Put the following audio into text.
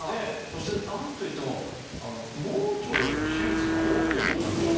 そして何といっても盲腸よりも手術が多く行われてる。